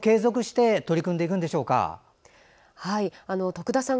徳田さん